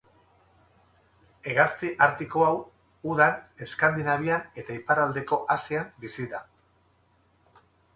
Hegazti artiko hau udan Eskandinavian eta iparraldeko Asian bizi da.